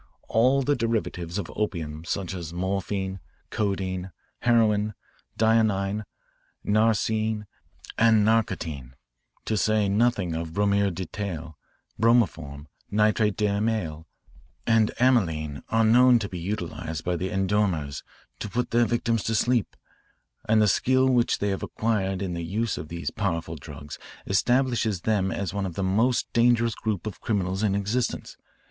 All the derivatives of opium such as morphine, codeine, heroine, dionine, narceine, and narcotine, to say nothing of bromure d'etyle, bromoform, nitrite d'amyle, and amyline are known to be utilised by the endormeurs to put their victims to sleep, and the skill which they have acquired in the use of these powerful drugs establishes them as one of the most dangerous groups of criminals in existence.